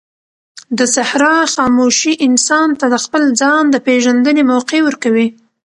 د صحرا خاموشي انسان ته د خپل ځان د پېژندنې موقع ورکوي.